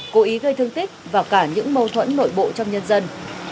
cố ý gây thương tích và cả những mâu thuẫn nội bộ trong nhân dân